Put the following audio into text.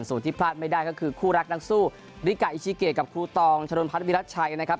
ส่วนที่พลาดไม่ได้ก็คือคู่รักนักสู้ริกะอิชิเกกับครูตองชะนนพัฒนวิรัชชัยนะครับ